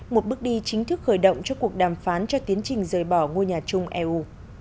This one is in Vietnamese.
một bước đi chính thức khởi động cho cuộc đàm phán cho tiến trình rời bỏ ngôi nhà chung eu